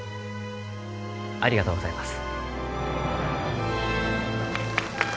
ありがとうございます。